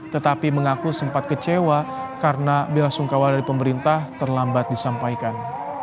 tetapi mengaku sempat kecewa karena bela sungkawa dari pemerintah terlambat disampaikan